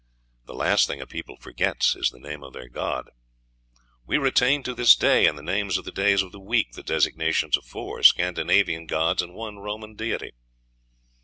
The last thing a people forgets is the name of their god; we retain to this day, in the names of the days of the week, the designations of four Scandinavian gods and one Roman deity.